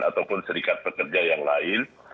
ataupun serikat pekerja yang lain